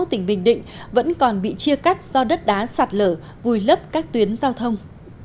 tỉnh bình định vẫn còn bị chia cắt do đất đá sạt lở vùi lấp các tuyến giao thông